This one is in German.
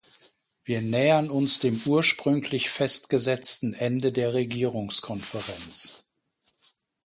Wir nähern uns dem ursprünglich festgesetzten Ende der Regierungskonferenz.